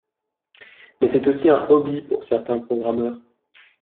Mais c'est aussi un hobby pour certains programmeurs.